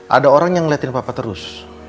ada orang yang ngeliatin papa terus